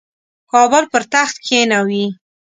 کابل پر تخت کښېنوي.